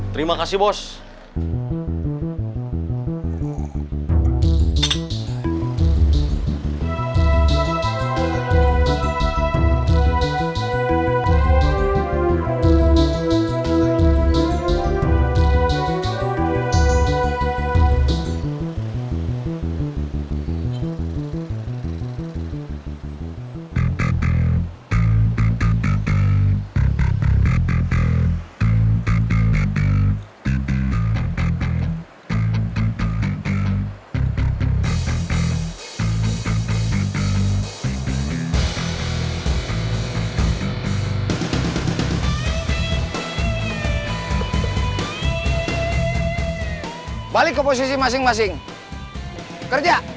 biar saya bantu parkirnya